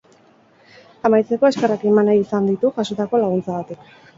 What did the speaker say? Amaitzeko, eskerrak eman nahi izan ditu jasotako laguntzagatik.